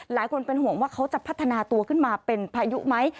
หลายคนเป็นห่วงว่าเขาจะพัฒนาตัวขึ้นมาเป็นพายุไหม